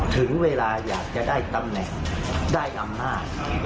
ถึงเวลาอยากจะได้ตำแหน่งได้อำนาจ